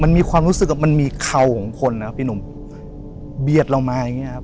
มันมีความรู้สึกว่ามันมีเข่าของคนนะครับพี่หนุ่มเบียดเรามาอย่างเงี้ครับ